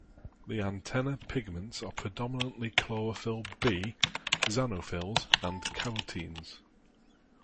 The antenna pigments are predominantly chlorophyll "b", xanthophylls, and carotenes.